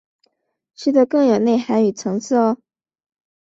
吃的更有内涵与层次喔！